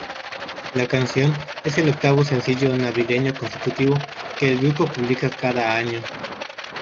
La canción es el octavo sencillo navideño consecutivo que el grupo publica cada año.